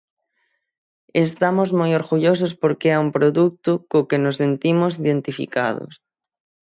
Estamos moi orgullosos porque é un produto co que nos sentimos identificados.